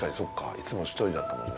いつも１人だったもんね。